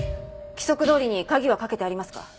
規則どおりに鍵は掛けてありますか？